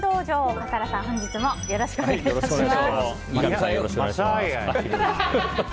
笠原さん、本日もよろしくお願いいたします。